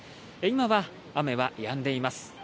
今は雨はやんでいます。